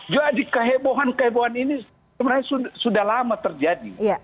jadi kehebohan kehebohan ini sebenarnya sudah lama terjadi